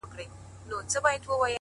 o نوم ئې لوړ کور ئې ډنگر!